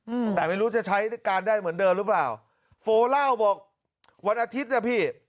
อืมแต่ไม่รู้จะใช้ในการได้เหมือนเดิมหรือเปล่าโฟเล่าบอกวันอาทิตย์นะพี่